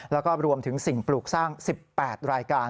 แล้วก็รวมถึงสิ่งปลูกสร้าง๑๘รายการ